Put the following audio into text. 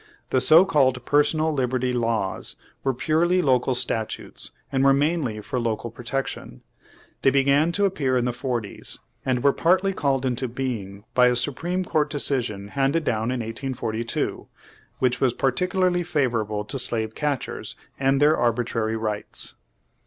The so called Personal Liberty Laws were purely local statutes, and were mainly for local protection. They began to appear in the forties, and were partly called into being by a Supreme Court decision handed down in 1842, which was particularly favorable to slave catchers and their arbitrary rights.